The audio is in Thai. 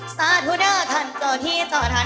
สาธุเด้อท่านเจ้าที่เจ้าท่าน